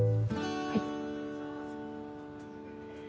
はい。